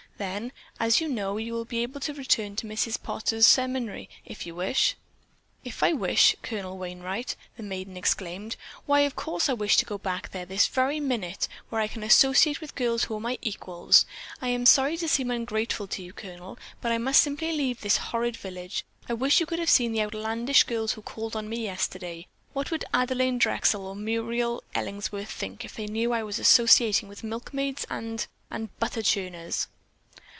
Then, as you know, you will be able to return to Mrs. Potter's seminary, if you wish." "If I wish, Colonel Wainright?" the maiden exclaimed. "Why, of course I wish to go back there this very minute, where I can associate with girls who are my equals. I am sorry to seem ungrateful to you, Colonel, but I simply must leave this horrid village. I wish you could have seen the outlandish girls who called on me yesterday. What would Adelaine Drexel or Muriel Ellingworth think if they knew I was associating with milkmaids and—and butter churners!"